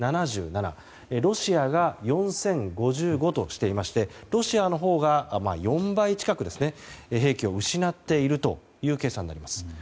ロシアが４０５５としていましてロシアのほうが４倍近く兵器を失っているという計算になります。